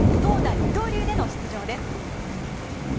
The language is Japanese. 二刀流での出場です。